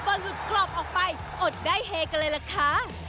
พอสุดกรอบออกไปอดได้เฮกันเลยล่ะค่ะ